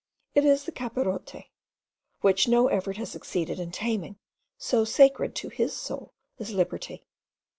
It is the capirote, which no effort has succeeded in taming, so sacred to his soul is liberty.